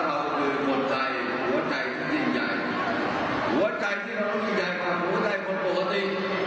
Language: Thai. เราคือหัวใจหัวใจยิ่งใหญ่หัวใจที่เรายิ่งใหญ่กว่าหัวใจคนปกติ